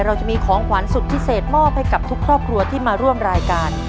เราจะมีของขวัญสุดพิเศษมอบให้กับทุกครอบครัวที่มาร่วมรายการ